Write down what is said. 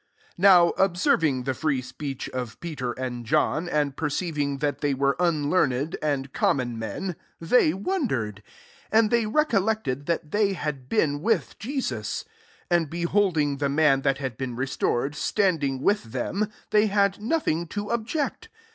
''^ 13 Now observing the free ^eech of Peter and John, and 3ierceiving that they were un earned and common men, they fondered; and they recollect 3d that they had been with Je« us, 14 And beholding the man hat had been restored, standing flth them, they had nothing to object.